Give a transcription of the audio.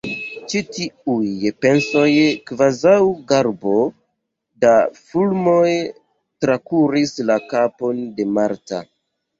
Ĉi tiuj pensoj kvazaŭ garbo da fulmoj trakuris la kapon de Marta.